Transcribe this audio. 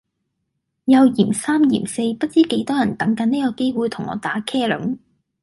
又嫌三嫌四不知幾多人等緊呢個機會同我打茄輪